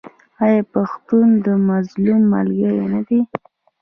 آیا پښتون د مظلوم ملګری نه دی؟